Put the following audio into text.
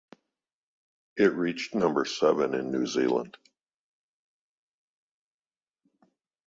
It reached number seven in New Zealand.